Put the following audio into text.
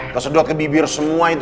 tersedot ke bibir semua itu